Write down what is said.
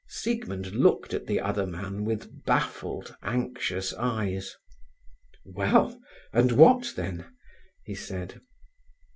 Siegmund looked at the other man with baffled, anxious eyes. "Well, and what then?" he said.